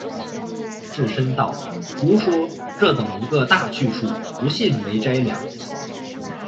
智深道：“胡说，这等一个大去处，不信没斋粮。